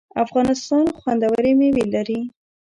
افغانستان خوندوری میوی لري